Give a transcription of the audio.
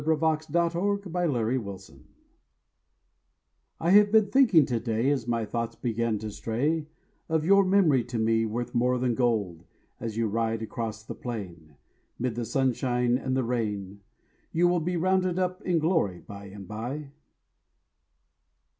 ROUNDED UP IN GLORY I have been thinking to day, As my thoughts began to stray, Of your memory to me worth more than gold. As you ride across the plain, 'Mid the sunshine and the rain, You will be rounded up in glory bye and bye.